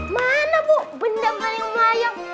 mana bu benda benda yang melayang